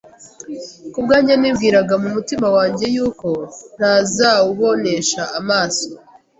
Ku bwanjye nibwiraga mu mutima wanjye yuko ntazawubonesha amaso.